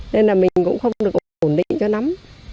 nên là mình cũng không được ổn định cho nắm